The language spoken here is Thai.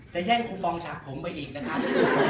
แย่งคูปองฉากผมไปอีกนะครับ